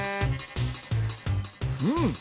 うん。